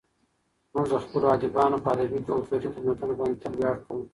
موږ د خپلو ادیبانو په ادبي او کلتوري خدمتونو باندې تل ویاړ کوو.